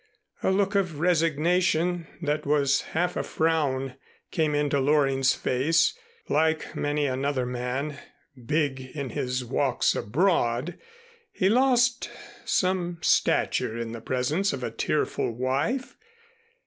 A look of resignation that was half a frown came into Loring's face. Like many another man, big in his walks abroad, he lost some stature in the presence of a tearful wife.